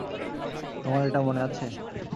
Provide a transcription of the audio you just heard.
তোমার এটা মনে আছে?